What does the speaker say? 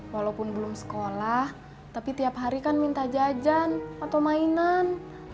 walaupun belum sekolah tapi tiap hari kan minta jajan atau mainan